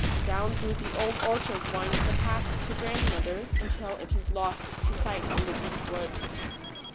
Down through the old orchard winds the path to grandmother's, until it is lost to sight in the beech woods.